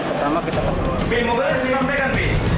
oke mobil silahkan